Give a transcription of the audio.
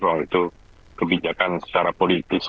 bahwa itu kebijakan secara politis